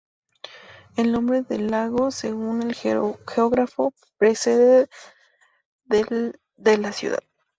El nombre del lago, según el geógrafo, procede del de la ciudad.